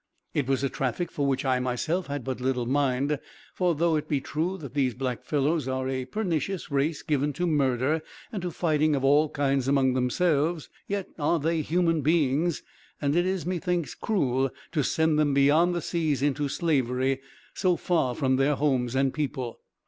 It was a traffic for which I myself had but little mind; for though it be true that these black fellows are a pernicious race, given to murder, and to fightings of all kinds among themselves, yet are they human beings; and it is, methinks, cruel to send them beyond the seas into slavery, so far from their homes and people.